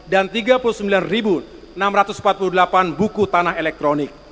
dan tiga puluh sembilan enam ratus empat puluh delapan buku tanah elektronik